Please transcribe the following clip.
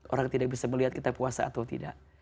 orang tidak bisa melihat kita puasa atau tidak